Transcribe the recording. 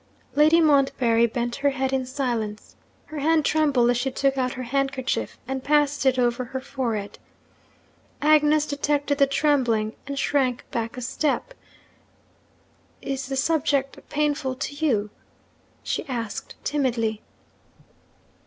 Lady Montbarry bent her head in silence. Her hand trembled as she took out her handkerchief, and passed it over her forehead. Agnes detected the trembling, and shrank back a step. 'Is the subject painful to you?' she asked timidly.